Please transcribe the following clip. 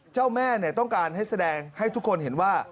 เจ้าแม่ต้องการให้แสดงให้ทุกคนเห็นว่า